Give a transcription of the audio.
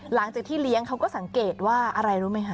หลังจากที่เลี้ยงเขาก็สังเกตว่าอะไรรู้ไหมคะ